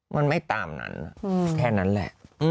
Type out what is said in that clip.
มันไม่ตามนั้นแค่นั้นแหละ